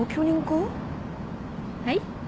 はい？